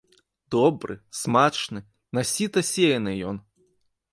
Добры, смачны, на сіта сеяны ён.